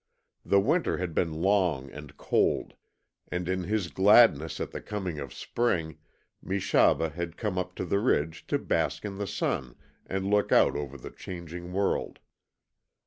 The winter had been long and cold, and in his gladness at the coming of spring Meshaba had come up the ridge to bask in the sun and look out over the changing world.